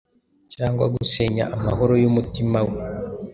cyangwa gusenya amahoro y’umutima we.